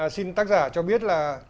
xin tác giả cho biết là